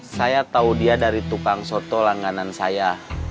saya tahu dia dari tukang soto langganan saya